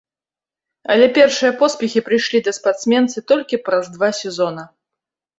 Але першыя поспехі прыйшлі да спартсменцы толькі праз два сезона.